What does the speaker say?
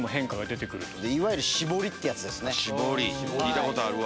聞いたことあるわ。